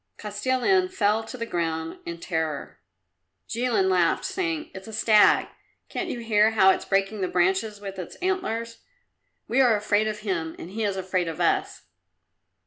Kostilin fell to the ground in terror; Jilin laughed, saying, "It's a stag. Can't you hear how it's breaking the branches with its antlers? We are afraid of him and he is afraid of us."